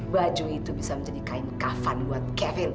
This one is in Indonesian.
baju itu bisa menjadi kain kafan buat kevin